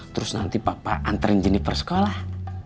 terus nanti papa anterin juniper sekolah